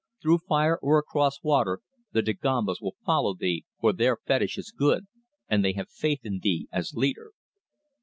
"Through fire or across water the Dagombas will follow thee, for their fetish is good, and they have faith in thee as leader."